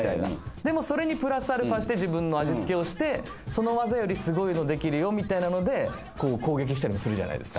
でもそれにプラスアルファして自分の味付けをしてその技よりすごいのできるよみたいなので攻撃したりもするじゃないですか。